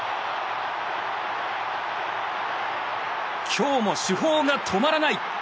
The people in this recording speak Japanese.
今日も主砲が止まらない！